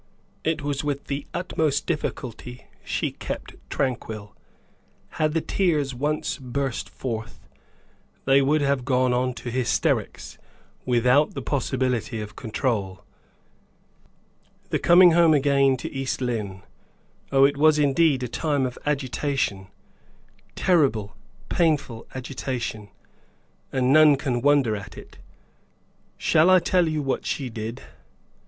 It was with the utmost difficulty she kept tranquil. Had the tears once burst forth, they would have gone on to hysterics, without the possibility of control. The coming home again to East Lynne! Oh, it was indeed a time of agitation, terrible, painful agitation, and none can wonder at it. Shall I tell you what she did?